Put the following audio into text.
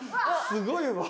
すごいわ。